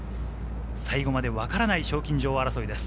最後まで分からない賞金女王争いです。